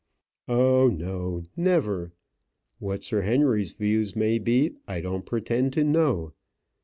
"Oh, no, never. What Sir Henry's views may be, I don't pretend to know.